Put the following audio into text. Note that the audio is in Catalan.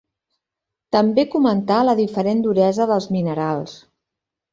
També comentà la diferent duresa dels minerals.